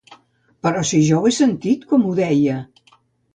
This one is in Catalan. Però si jo ho he sentit com ho deia!